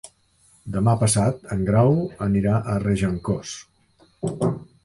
Demà passat en Grau anirà a Regencós.